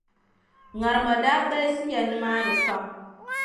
Ŋarima daa galisiya nimaani pam.